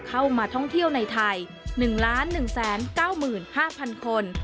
เข้ามาท่องเที่ยวในไทย๑๑๙๕๐๐คน